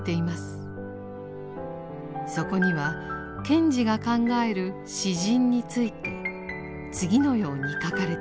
そこには賢治が考える詩人について次のように書かれていました。